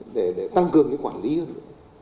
để tăng cường cái quản lý hơn nữa